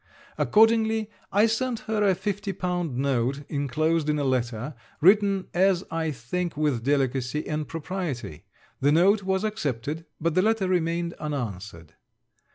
Accordingly, I sent her a 50l. note, inclosed in a letter, written as I think with delicacy and propriety. The note was accepted, but the letter remained unanswered.